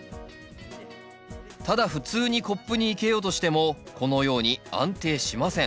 ただ普通にコップに生けようとしてもこのように安定しません。